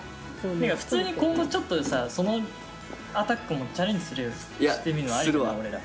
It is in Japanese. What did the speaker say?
普通に今後ちょっとさそのアタックもチャレンジしてみるのもありじゃない？